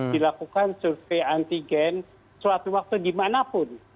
dilakukan survei antigen suatu waktu dimanapun